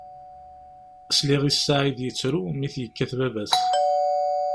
Sliɣ i Saɛid yettru mi t-yekkat baba-s.